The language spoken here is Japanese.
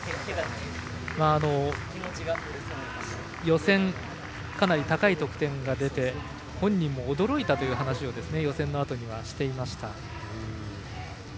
予選かなり高い得点が出て本人も驚いたという話を予選のあとにしていました。